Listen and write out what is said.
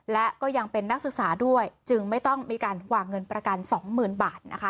และก็ยังเป็นนักศึกษาด้วยจึงไม่ต้องมีการวางเงินประกันสองหมื่นบาทนะคะ